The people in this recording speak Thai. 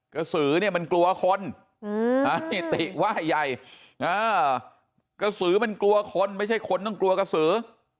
กระสือเนี่ยมันกลัวคนติว่ายใหญ่กระสือมันกลัวคนไม่ใช่คนต้องกลัวกระสือ